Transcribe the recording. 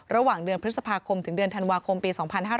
ระหว่างเดือนพฤษภาคมถึงเดือนธันวาคมปี๒๕๕๙